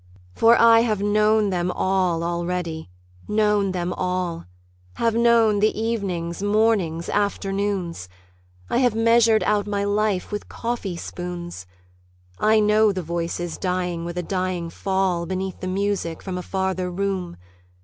For I have known them all already, known them all: Have known the evenings, mornings, afternoons, I have measured out my life with coffee spoons; I know the voices dying with a dying fall Beneath the music from a farther room.